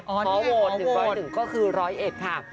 ขอโหวต๑๐๑ก็คือ๑๐๑ค่ะ